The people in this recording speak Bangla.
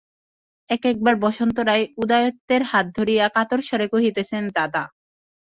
এক-একবার বসন্ত রায় উদয়াদিত্যের হাত ধরিয়া কাতর স্বরে কহিতেছেন, দাদা।